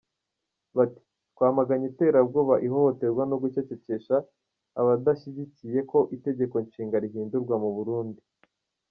Bati “ Twamaganye iterabwoba, ihohoterwa no gucecekesha abadashyigikiye ko itegeko Nshinga rihindurwa mu Burundi”.